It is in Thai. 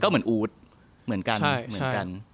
ก็เหมือนอู๊ดเหมือนกัน